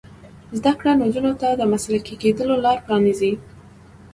زده کړه نجونو ته د مسلکي کیدو لار پرانیزي.